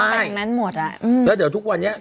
อย่างนั้นหมดอ่ะอืมแล้วเดี๋ยวทุกวันนี้